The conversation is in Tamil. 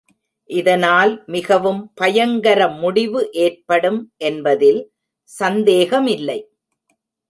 இதனால் மிகவும் பயங்கர முடிவு ஏற்படும் என்பதில் சந்தேகமில்லை.